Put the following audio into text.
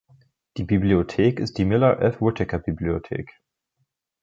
Die Bibliothek ist die Miller F. Whittaker-Bibliothek.